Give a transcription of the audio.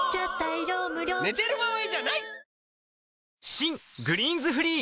新「グリーンズフリー」